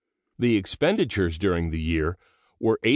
The expenditures during the year were $801,209.